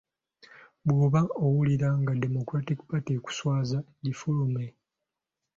Bw'oba owulira nga Democratic Party ekuswaza, gifulume.